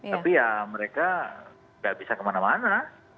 tapi ya mereka nggak bisa kemana mana